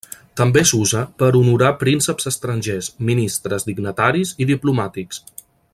També s'usa per honorar prínceps estrangers, ministres, dignataris i diplomàtics.